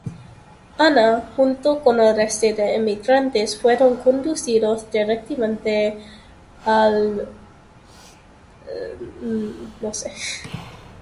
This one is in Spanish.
Anna, junto con el resto de emigrantes, fueron conducidos directamente al St.